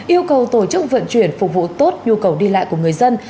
yêu cầu tổ chức vận chuyển phục vụ tốt nhu cầu đi lại của người dân